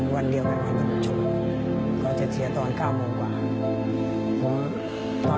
วันเดียวกันวันผู้ชมก็จะเสียตอน๙โมงกว่า